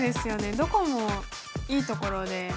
どこもいいところで。